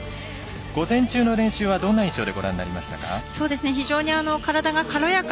午前中の練習はどんな印象でご覧になりましたか。